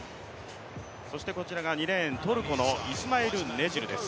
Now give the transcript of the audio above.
そしてこちらが２レーン、トルコのイスマイル・ネジルです。